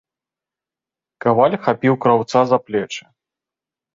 Каваль хапіў краўца за плечы.